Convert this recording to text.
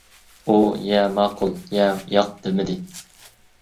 ئۇ يە ماقۇل، يە ياق دېمىدى.